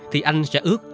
thì anh sẽ ước